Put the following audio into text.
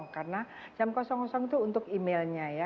karena jam itu untuk emailnya ya